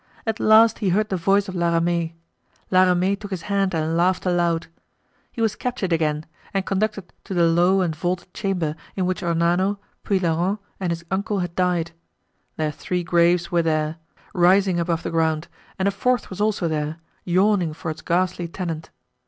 At last he heard the voice of La Ramee. La Ramee took his hand and laughed aloud. He was captured again, and conducted to the low and vaulted chamber, in which Ornano, Puylaurens, and his uncle had died. Their three graves were there, rising above the ground, and a fourth was also there, yawning for its ghastly tenant.